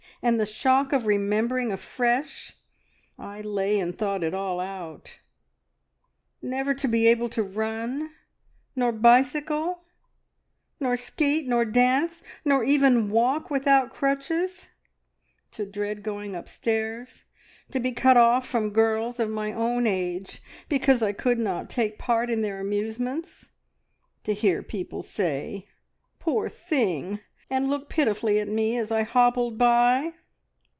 and the shock of remembering afresh! I lay and thought it all out; never to be able to run, nor bicycle, nor skate, nor dance, nor even walk without crutches, to dread going upstairs, to be cut off from girls of my own age because I could not take part in their amusements, to hear people say `Poor thing!' and look pitifully at me as I hobbled by.